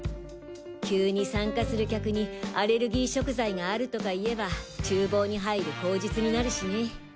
急に参加する客にアレルギー食材があるとか言えば厨房に入る口実になるしね。